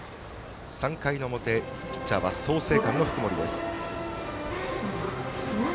３回の表、ピッチャーは創成館の福盛です。